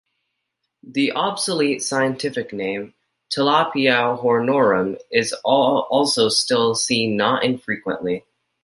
The obsolete scientific name "Tilapia hornorum" is also still seen not infrequently.